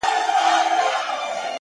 o اوس بيا د ښار په ماځيگر كي جادو ـ